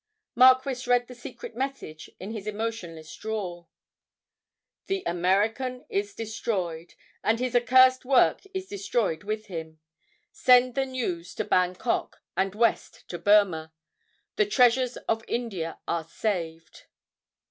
Marquis read the secret message in his emotionless drawl: "'The American is destroyed, and his accursed work is destroyed with him. Send the news to Bangkok and west to Burma. The treasures of India are saved."'